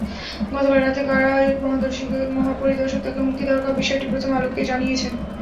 গতকাল রাতে কারা মহাপরিদর্শক তাঁকে হুমকি দেওয়ার বিষয়টি প্রথম আলোকে জানিয়েছেন।